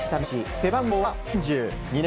背番号は３０。